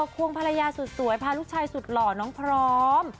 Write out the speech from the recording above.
ควงภรรยาสุดสวยพาลูกชายสุดหล่อน้องพร้อม